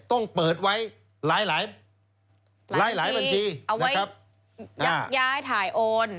ต้องเปิดไว้หลายบัญชีเอาไว้ยากย้ายถ่ายโอน